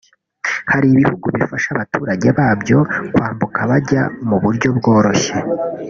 Hari ibihugu bifasha abaturage babyo kwambuka bajya mu buryo bworoshye